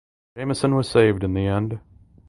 Jameson was saved in the end.